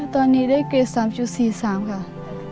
ตอนนี้ได้เกรด๓๔๓ค่ะ